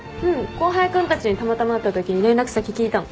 後輩君たちにたまたま会ったときに連絡先聞いたの。